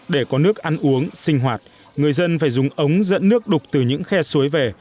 để có nước ăn uống sinh hoạt người dân phải dùng ống dẫn nước đục từ những khe suối về